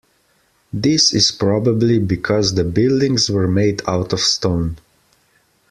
This is probably because the buildings were made out of stone.